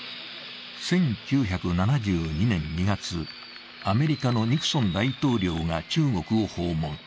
１９７２年２月、アメリカのニクソン大統領が中国を訪問。